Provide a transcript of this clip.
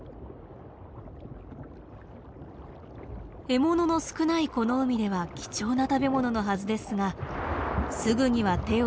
獲物の少ないこの海では貴重な食べ物のはずですがすぐには手を出しません。